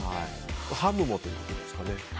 ハムもっていうことですかね。